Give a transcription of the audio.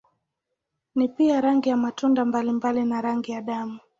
Ni pia rangi ya matunda mbalimbali na rangi ya damu.